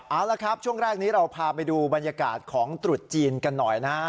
เอาละครับช่วงแรกนี้เราพาไปดูบรรยากาศของตรุษจีนกันหน่อยนะฮะ